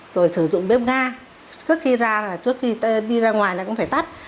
rồi sử dụng bếp ga trước khi đi ra ngoài cũng phải tắt